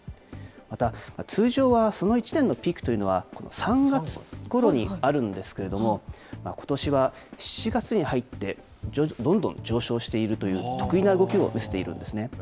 また、通常その１年のピークというのは３月ごろにあるんですけれども、ことしは７月に入って、どんどん上昇しているという特異な動きを見せているんですね。